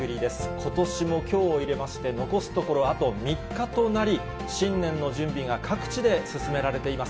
ことしも、きょうを入れまして、残すところ、あと３日となり、新年の準備が各地で進められています。